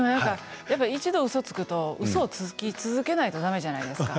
一度、うそをつくとつき続けないとだめじゃないですか。